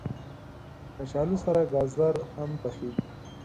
کچالو سره ګازر هم پخېږي